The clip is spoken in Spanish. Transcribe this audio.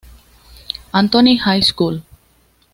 Anthony High School.